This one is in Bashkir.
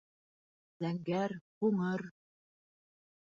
Зәңгәр, ҡуңыр.